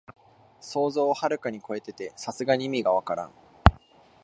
想像をはるかにこえてて、さすがに意味がわからん